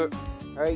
はい。